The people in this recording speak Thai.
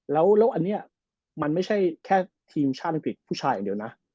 แล้วอันนี้มันไม่ใช่แค่ทีมชาติอังกฤษผู้ชายอย่างเดียวนะ